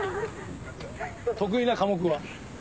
得意な科目は？